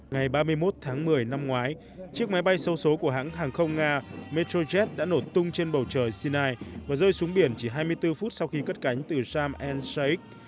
ngày ba mươi một tháng một mươi năm ngoái chiếc máy bay sâu số của hãng hàng không nga metrojet đã nổ tung trên bầu trời sinai và rơi xuống biển chỉ hai mươi bốn phút sau khi cất cánh từ cham ansaic